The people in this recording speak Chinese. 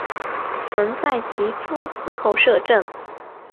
曾在其夫死后摄政。